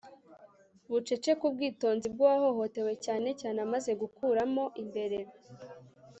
bucece ku bwitonzi bw'uwahohotewe, cyane cyane amaze gukuramo imbere